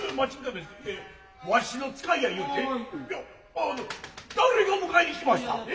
アア誰が迎ひに来ました。